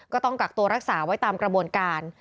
ก็ต้องกักตัวรักษาไว้ตามกระบวนการ